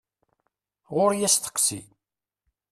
Ɣur-i asteqsi!